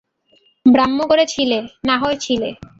ব্রাহ্মঘরে ছিলে, নাহয় ছিলে।